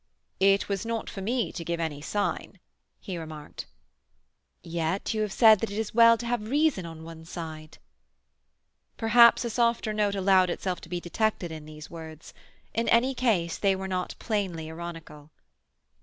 "It was not for me to give any sign," he remarked. "Yet you have said that it is well to have reason on one's side." Perhaps a softer note allowed itself to be detected in these words. In any case, they were not plainly ironical.